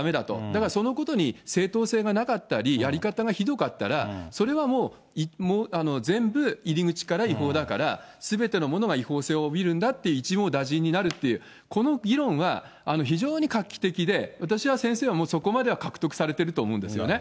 だからそのことに正当性がなかったり、やり方がひどかったら、それはもう、全部入り口から違法だから、すべてのものが違法性を帯びるんだって、一網打尽になるっていう、この議論は非常に画期的で、私は先生はそこまでは獲得されてると思うんですよね。